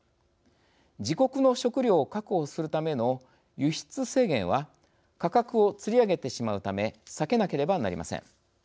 自国の食料を確保するための輸出制限は価格をつり上げてしまうため避けなければなりません。